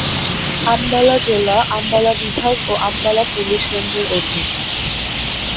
আম্বালা জেলা আম্বালা বিভাগ ও আম্বালা পুলিশ রেঞ্জের অধীন।